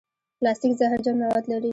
پلاستيک زهرجن مواد لري.